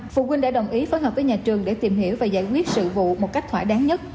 phụ huynh đã đồng ý phối hợp với nhà trường để tìm hiểu và giải quyết sự vụ một cách thỏa đáng nhất